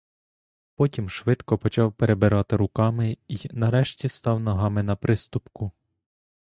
Потім швидко почав перебирати руками й, нарешті, став ногами на приступку.